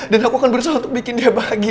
dan aku akan berusaha untuk bikin dia bahagia